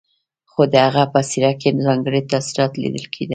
خو د هغه په څېره کې ځانګړي تاثرات ليدل کېدل.